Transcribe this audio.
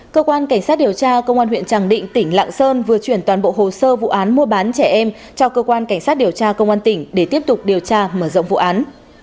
cơ quan cảnh sát điều tra công an huyện tràng định tỉnh lạng sơn vừa chuyển toàn bộ hồ sơ vụ án mua bán trẻ em cho cơ quan cảnh sát điều tra công an tỉnh để tiếp tục điều tra mở rộng vụ án